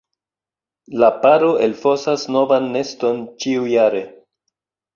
La paro elfosas novan neston ĉiujare.